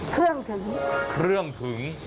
เครื่องถึงเครื่องถึง